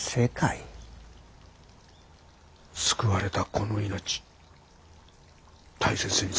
救われたこの命大切に使います。